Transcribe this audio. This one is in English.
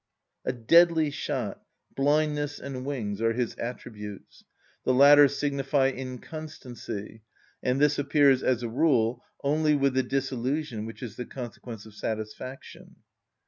_) A deadly shot, blindness, and wings are his attributes. The latter signify inconstancy; and this appears, as a rule, only with the disillusion which is the consequence of satisfaction.